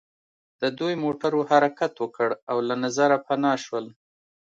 د دوی موټرو حرکت وکړ او له نظره پناه شول